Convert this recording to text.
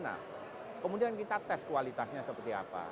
nah kemudian kita tes kualitasnya seperti apa